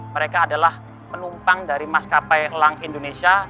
mereka adalah penumpang dari maskapai lang indonesia